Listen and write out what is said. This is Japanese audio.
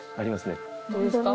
どれですか？